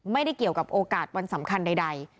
ไม่ได้เกี่ยวกับโอกาสวันสำคัญใด